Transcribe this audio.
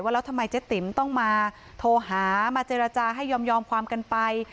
แล้วทำไมเจ๊ติ๋มต้องมาโทรหามาเจรจาให้ยอมความกันไป